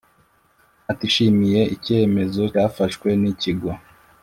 Atishimiye icyemezo cyafashwe n ikigo